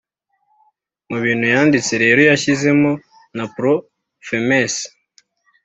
Mu bintu yanditse rero yashyizemo na Pro-femmes